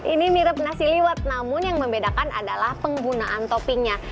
ini mirip nasi liwet namun yang membedakan adalah penggunaan toppingnya